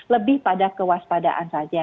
lebih pada kewaspadaan saja